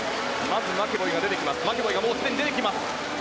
マケボイがすでに出てきます。